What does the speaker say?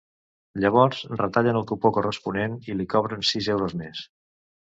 Llavors retallen el cupó corresponent i li cobren sis euros més.